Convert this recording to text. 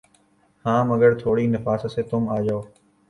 ہاں مگر تھوڑی نفاست سے تُم آؤجاؤ